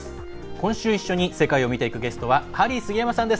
今週、一緒に世界を見ていくゲストはハリー杉山さんです。